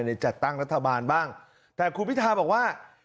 จัดตั้งรัฐบาลบ้างแต่คุณพิทาบอกว่า